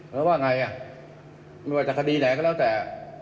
แล้วว่าไงจากคดีไหนก็แล้วแต่